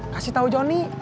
kasih tau jonny